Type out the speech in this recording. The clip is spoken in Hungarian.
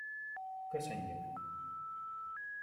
Köszönjük!